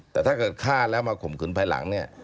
แต่ถ้าเกิดฆ่าแล้วมาข่มขืนภายหลังเนี่ย